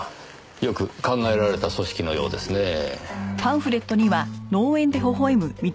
よく考えられた組織のようですねぇ。